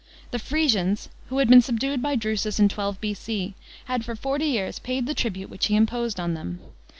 The Frisians, who had been subdued by Drusus in 12 B.C., had for forty years paid the tribute which he imposed on them.